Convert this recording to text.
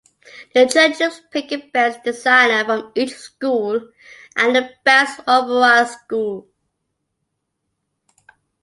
The judges pick a "best designer" from each school and a "best overall school".